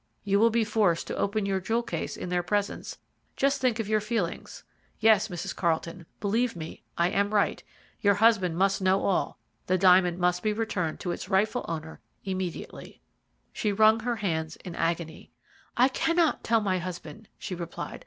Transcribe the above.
You will be forced to open your jewel case in their presence just think of your feelings. Yes, Mrs. Carlton, believe me I am right: your husband must know all, the diamond must be returned to its rightful owner immediately." She wrung her hands in agony. "I cannot tell my husband," she replied.